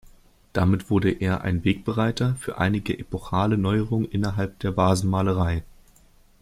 Damit wurde er ein Wegbereiter für einige epochale Neuerung innerhalb der Vasenmalerei.